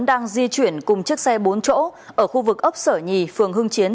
đang di chuyển cùng chiếc xe bốn chỗ ở khu vực ấp sở nhì phường hưng chiến